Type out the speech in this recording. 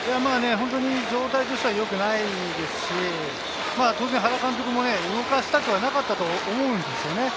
状態としては良くないですし、当然、原監督も動かしたくはなかったと思うんですよね。